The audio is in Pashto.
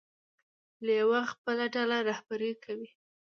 لیوه خپله ډله رهبري کوي.